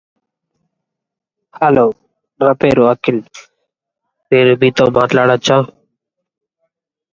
Two video games were developed for the Super Famicom.